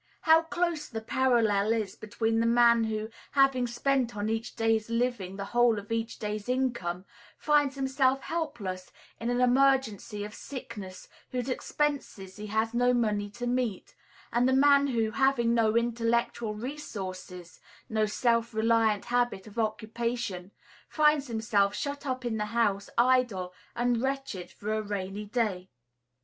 How close the parallel is between the man who, having spent on each day's living the whole of each day's income, finds himself helpless in an emergency of sickness whose expenses he has no money to meet, and the man who, having no intellectual resources, no self reliant habit of occupation, finds himself shut up in the house idle and wretched for a rainy day.